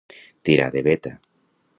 Tirar de veta.